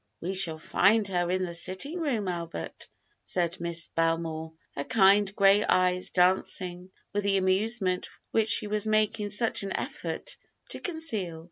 "We shall find her in the sitting room, Albert," said Miss Bel more, her kind gray eyes dancing with the amusement which she was making such an effort to conceal.